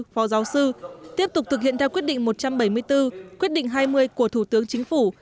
phó giáo sư tiếp tục thực hiện theo quyết định một trăm bảy mươi bốn quyết định hai mươi của thủ tướng chính phủ